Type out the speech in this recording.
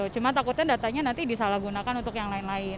cuma takutnya datanya nanti disalahgunakan untuk yang lain lain